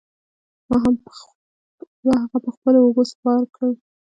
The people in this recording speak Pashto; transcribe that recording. ما هغه په خپلو اوږو سپار کړ.